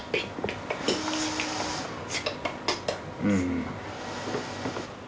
うん。